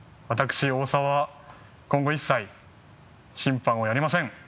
私大澤は今後一切審判をやりません。